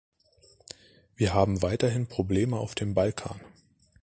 Wir haben weiterhin Probleme auf dem Balkan.